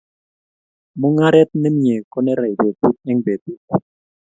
Mungaret ne mie konerei betut eng betut